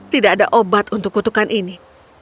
tidak ada obat untuk kutukan ini